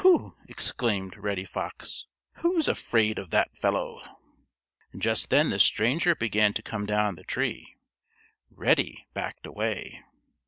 "Pooh," exclaimed Reddy Fox. "Who's afraid of that fellow?" Just then the stranger began to come down the tree. Reddy backed away.